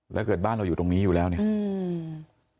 แล้วเกิดบ้านเราอยู่ตรงนี้อยู่แล้วเนี่ยอืม